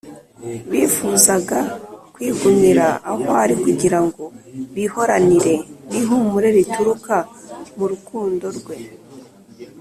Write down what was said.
bifuzaga kwigumira aho ari kugira ngo bihoranire n’ihumure rituruka mu rukundo rwe